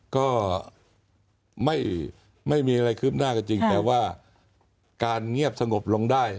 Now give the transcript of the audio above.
ก็ไม่มีอะไรคืบหน้าก็จริงแต่ว่าการเงียบสงบลงได้